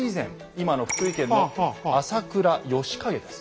今の福井県の朝倉義景です。